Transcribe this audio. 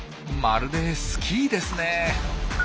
まるでスキーですね。